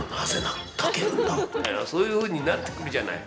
そういうふうになってくるじゃない。